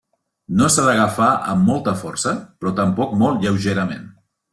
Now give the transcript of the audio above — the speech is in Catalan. No s'ha d'agafar amb molta força però tampoc molt lleugerament.